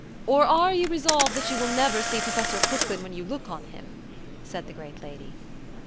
" Or are you resolved you will never see Professor Crooklyn when you look on him?" said the great lady.